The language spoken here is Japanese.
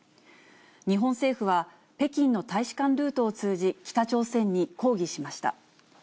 日本政府は、北京の大使館ルートを通じ、北朝鮮に抗議しました。